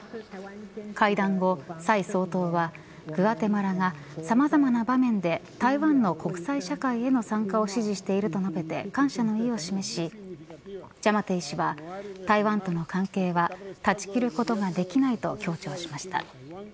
会談後、蔡総統はグアテマラが、さまざまな場面で台湾の国際社会への参加を支持していると述べて感謝の意を示しジャマテイ氏は台湾との関係は断ち切ることができないと強調しました。